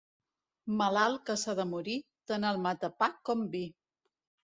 Malalt que s'ha de morir, tant el mata pa com vi.